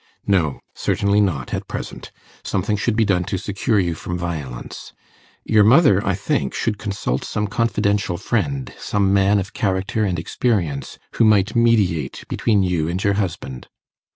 'No, certainly not, at present. Something should be done to secure you from violence. Your mother, I think, should consult some confidential friend, some man of character and experience, who might mediate between you and your husband.